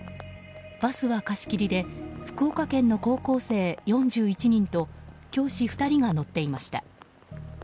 バスは貸し切りで福岡県の高校生４１人と教師２人が乗っていました。